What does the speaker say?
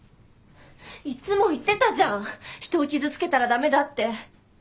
いっつも言ってたじゃん人を傷つけたらダメだって。